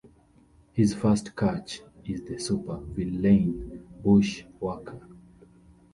His first catch is the supervillain Bushwacker.